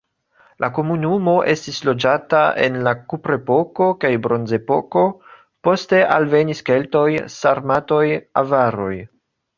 La komunumo estis loĝata en la kuprepoko kaj bronzepoko, poste alvenis keltoj, sarmatoj, avaroj.